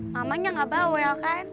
mamanya gak bawa ya kan